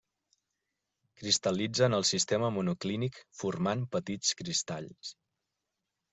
Cristal·litza en el sistema monoclínic, formant petits cristalls.